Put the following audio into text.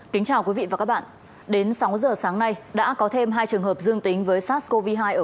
kính chào quý vị và các bạn đến sáu giờ sáng nay đã có thêm hai trường hợp dương tính với sars cov hai ở